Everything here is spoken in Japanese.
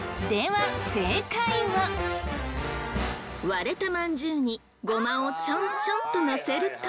割れたまんじゅうにごまをちょんちょんと載せると。